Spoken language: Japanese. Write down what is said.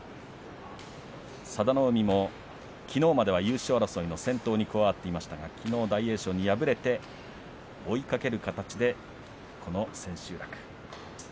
佐田の海も、きのうまでは優勝争いの先頭に加わっていましたがきのう大栄翔に敗れて追いかける形でこの千秋楽。